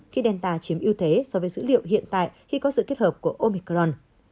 khi delta chiếm ưu thế so với dữ liệu hiện tại khi có sự kết hợp của omicron